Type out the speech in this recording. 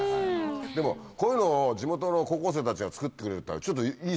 でもこういうのを地元の高校生たちがつくってくれるっていったらちょっといいっすよね。